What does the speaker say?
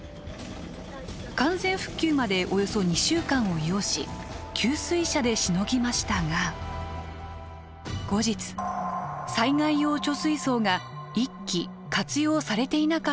完全復旧までおよそ２週間を要し給水車でしのぎましたが後日災害用貯水槽が一基活用されていなかったことが判明。